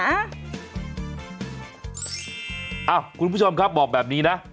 เอ้าคุณผู้ชมครับบอกแบบนี้นะ